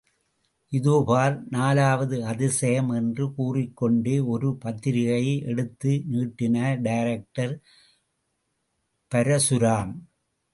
இதோ பார், நாலாவது அதிசயம்! என்று கூறிக்கொண்டே ஒரு பத்திரிக்கையை எடுத்து நீட்டினார் டைரக்டர் பரசுராம்.